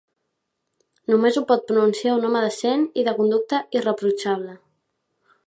Només ho pot pronunciar un home decent i de conducta irreprotxable.